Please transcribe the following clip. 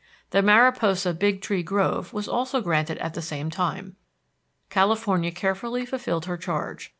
The Mariposa Big Tree Grove was also granted at the same time. California carefully fulfilled her charge.